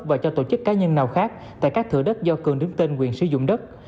và cho tổ chức cá nhân nào khác tại các thửa đất do cường đứng tên quyền sử dụng đất